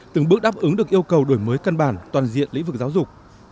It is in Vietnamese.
từng bước đáp ứng được yêu cầu đổi mới căn bản toàn diện lĩnh vực giáo dục